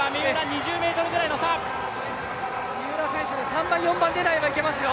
三浦選手、３番、４番狙いはいけますよ。